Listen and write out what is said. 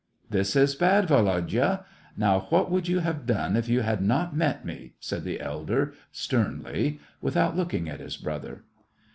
"This is bad, Volodya ! Now, what would you have done if you had not met me .•*" said the elder, sternly, without looking at his brother.